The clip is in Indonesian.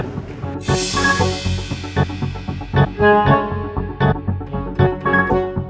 jadi gue gak akan mikir